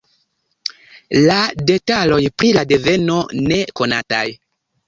La detaloj pri la deveno ne konataj.